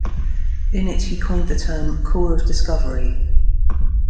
In it, he coined the term "Corps of Discovery".